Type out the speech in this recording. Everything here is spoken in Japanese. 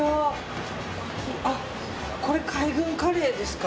これ海軍カレーですか？